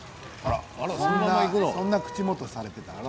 そんな口元をされていたのね。